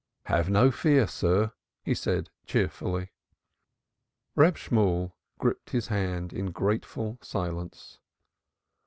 "Have no fear, sir," he said cheerfully. Reb Shemuel gripped his hand in grateful silence.